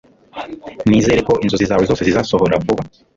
nizere ko inzozi zawe zose zizasohora vuba